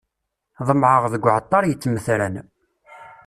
Ḍemɛeɣ deg uɛeṭṭaṛ yittmetran.